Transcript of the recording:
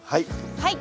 はい。